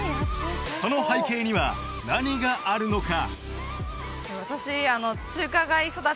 その背景には何があるのか？